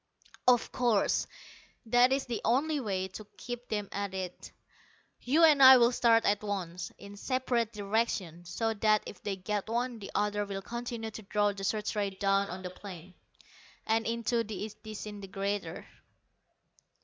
"Of course, that is the only way to keep them at it. You and I will start at once, in separate directions, so that if they get one, the other will continue to draw the search rays down on the plain, and into the disintegrator."